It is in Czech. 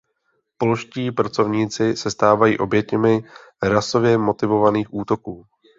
Polští pracovníci se stávají oběťmi rasově motivovaných útoků.